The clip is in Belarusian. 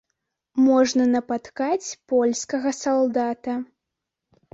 Можна напаткаць польскага салдата.